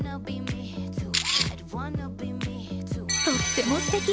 とってもすてき。